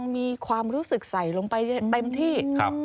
มีความรู้สึกใส่ลงไปเต็มที่